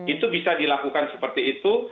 itu bisa dilakukan seperti itu